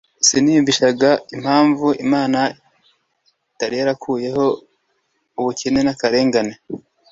siniyumvishaga impamvu imana itari yarakuyeho ubukene n akarengane